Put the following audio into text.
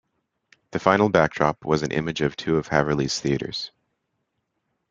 The final backdrop was an image of two of Haverly's theaters.